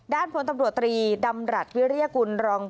ด้านพลตำรวจตรีดำรัฐวิริยกุลรอง